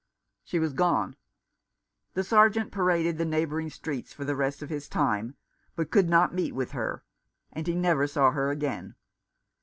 She was gone. The Sergeant paraded the neighbouring streets for the rest of his time, but could not meet with her ; and he never saw her again.